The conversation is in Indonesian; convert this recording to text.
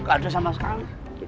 gak ada sama sekali